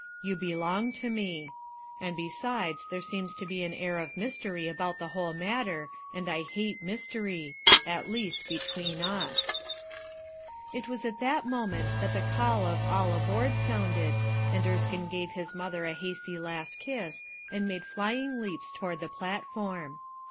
You belong to mc; and besides, there seems to be an air of mystery about the whole matter, and I hate mystery; at least between us/ 5 It was at that moment that the call of "all aboard" sounded, and Erskine gave his mother a hasty last kiss and made flying leaps toward the platform.